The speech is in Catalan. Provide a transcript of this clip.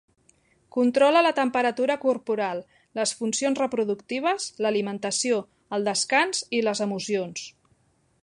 Controla la temperatura corporal, les funcions reproductives, l'alimentació, el descans i les emocions.